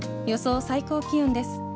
予想最高気温です。